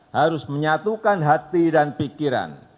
harus menyatukan hati dan pikiran